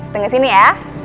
tunggu sini ya